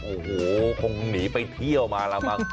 โอ้โหคงหนีไปเที่ยวมาแล้วมั้ง